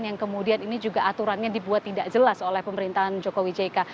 yang kemudian ini juga aturannya dibuat tidak jelas oleh pemerintahan jokowi jk